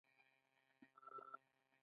هغه په ډېره اسانۍ جګړه ییز مسایل حلولای شي.